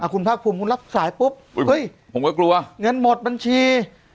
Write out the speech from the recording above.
คุณภาคภูมิคุณรับสายปุ๊บเฮ้ยเงินหมดบัญชี